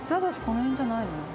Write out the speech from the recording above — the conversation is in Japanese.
この辺じゃないの？